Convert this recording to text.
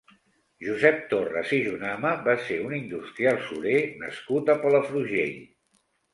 Josep Torres i Jonama va ser un industrial surer nascut a Palafrugell.